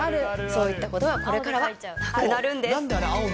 そういったことがこれからはなくなるんです。